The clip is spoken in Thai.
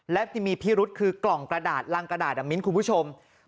และที่มีพิรุษคือกล่องกระดาษรังกระดาษมิ้นคุณผู้ชม